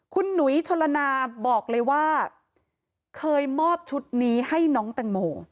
คุณหนุยชนละนาบอกเลยว่าเคยมอบชุดนี้ให้น้องแตงโม